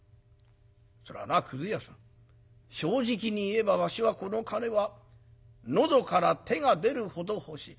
それはなくず屋さん正直に言えばわしはこの金はのどから手が出るほど欲しい。